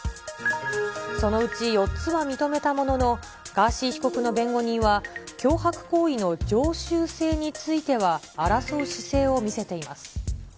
そのうち４つは認めたものの、ガーシー被告の弁護人は、脅迫行為の常習性については争う姿勢を見せています。